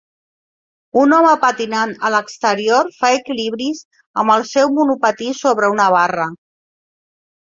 Un home patinant a l'exterior fa equilibris amb el seu monopatí sobre una barra.